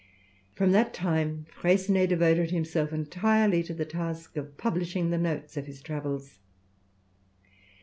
'" From that time Freycinet devoted himself entirely to the task of publishing the notes of his travels.